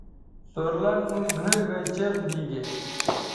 سور لنڈ نُوٹ گھئیں گھئیں چیغ دیگے